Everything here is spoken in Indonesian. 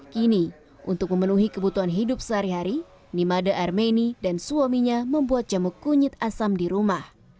kini untuk memenuhi kebutuhan hidup sehari hari nimade armeni dan suaminya membuat jamu kunyit asam di rumah